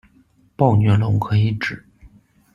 暴虐龙可以指：